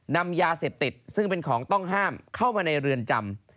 นำยาเสพติดซึ่งเป็นของต้องห้ามเข้ามาในเรือนจำ